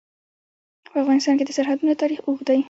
په افغانستان کې د سرحدونه تاریخ اوږد دی.